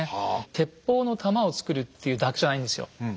鉄砲の玉をつくるっていうだけじゃないんですよ。